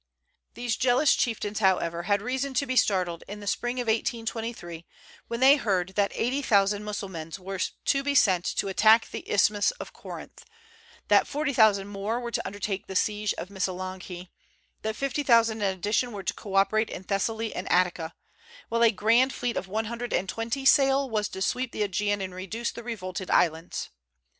These jealous chieftains, however, had reason to be startled in the spring of 1823, when they heard that eighty thousand Mussulmans were to be sent to attack the Isthmus of Corinth; that forty thousand more were to undertake the siege of Missolonghi; that fifty thousand in addition were to co operate in Thessaly and Attica; while a grand fleet of one hundred and twenty sail was to sweep the Aegean and reduce the revolted islands.